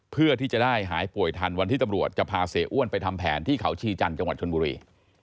เพื่อที่จะได้หายป่วยทันวันที่ตำรวจจะพาเสียอ้วนไปทำแผนที่เขาชีจันทร์จังหวัดชนบุรี